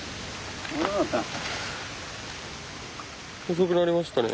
遅くなりましたね。